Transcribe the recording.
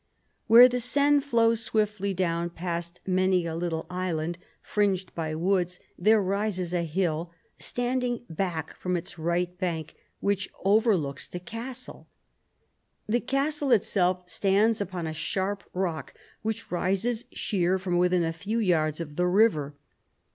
in THE FALL OF THE ANGEVINS 71 Where the Seine flows swiftly down past many a little island, and fringed by woods, there rises a hill, standing back from its right bank, which overlooks the castle. The castle itself stands upon a sharp rock which rises sheer from within a few yards of the river.